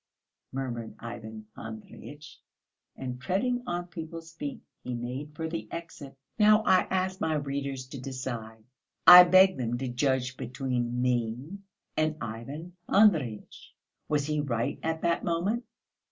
murmured Ivan Andreyitch, and treading on people's feet, he made for the exit. Now I ask my readers to decide, I beg them to judge between me and Ivan Andreyitch. Was he right at that moment?